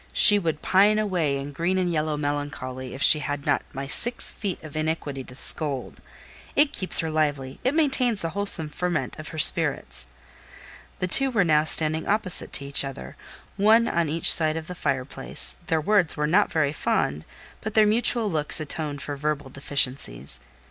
She would pine away in green and yellow melancholy if she had not my six feet of iniquity to scold. It keeps her lively—it maintains the wholesome ferment of her spirits." The two were now standing opposite to each other, one on each side the fire place; their words were not very fond, but their mutual looks atoned for verbal deficiencies.